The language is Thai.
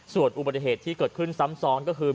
ส่วนอุบัติเหตุที่เกิดขึ้นซ้ำซ้อนก็คือ